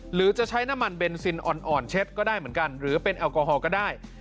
หรือจะใช้น้ำมันเบนซินอ่อนเช็ดก็ได้เหมือนกันหรือเป็นแอลกอฮอลก็ได้